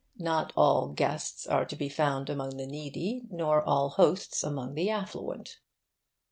Not all guests are to be found among the needy, nor all hosts among the affluent.